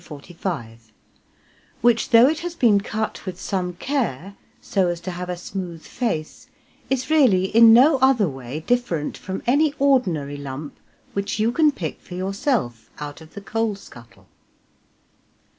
45), which, though it has been cut with some care so as to have a smooth face, is really in no other way different from any ordinary lump which you can pick for yourself out of the coal scuttle.